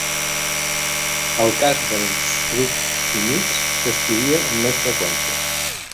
El cas dels grups finits s'estudia amb més freqüència.